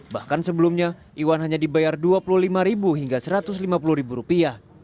bahkan sebelumnya iwan hanya dibayar dua puluh lima ribu hingga satu ratus lima puluh ribu rupiah